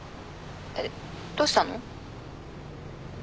えっどうしたの？